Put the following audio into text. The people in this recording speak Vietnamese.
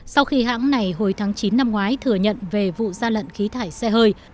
sau khi hãng này hồi tháng chín năm ngoái thừa nhận về vụ gian lận khí thải xe hơi